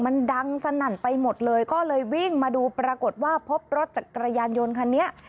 มันดังสนั่นไปหมดเลยก็เลยวิ่งมาดูปรากฏว่าพบรถจักรยานยนต์คันนี้